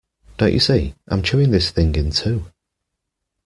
Don't you see, I'm chewing this thing in two.